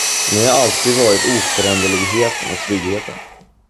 Ni har alltid varit oföränderligheten och tryggheten.